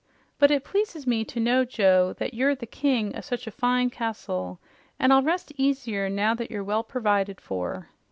But it pleases me to know, Joe, that you're the king o' such a fine castle, an' I'll rest easier now that you're well pervided for."